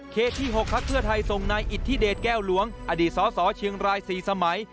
เขตที่หกภักดิ์เพื่อไทยทรงนายอิทธิเดชแก้วหลวงอดีตสเชียงรายสี่สมัย